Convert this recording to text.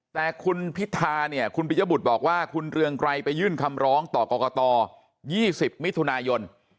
แต่คุณพิธาเนี่ยคุณปิยบุตรบอกว่าคุณเรืองไกรไปยื่นคำร้องต่อกรกต๒๐มิถุนายน